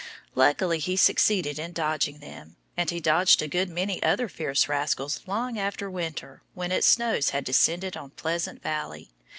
Luckily he succeeded in dodging them. And he dodged a good many other fierce rascals long after winter with its snow had descended on Pleasant Valley.